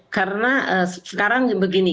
karena sekarang begini